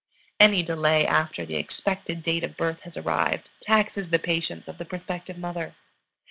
Any delay after the expected date of birth has arrived taxes the patience of the prospective mother.